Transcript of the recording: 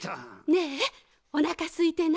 ねえおなかすいてない？